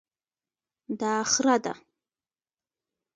دا خره ده